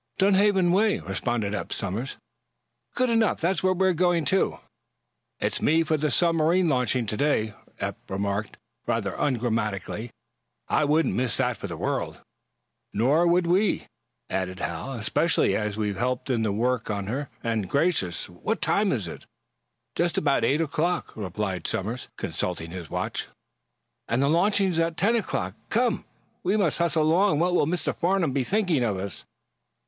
"Dunhaven way," responded Eph Somers. "Good enough. That's where we're going, too." "It's me for the submarine launching today," Eph remarked, rather ungrammatically. "I wouldn't miss that for the world." "Nor would we, either," added Hal. "Especially, as we've helped in the work on her. And, gracious, what time is it?" "Just about eight o'clock," replied Somers, consulting his watch. "And the launching is at ten o'clock. Come; we must hustle along. What will Mr. Farnum be thinking of us?"